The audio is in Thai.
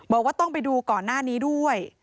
บอกว่าต้องไปดูก่อนหน้านี้ด้วย